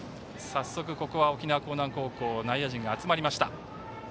早速、沖縄・興南高校内野陣が集まりました。